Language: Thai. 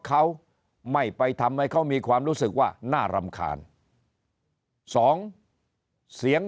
เขาไม่ไปทำให้เขามีความรู้สึกว่าน่ารำคาญสองเสียง